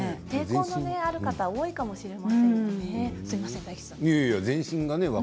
抵抗のある方多いかもしれませんね。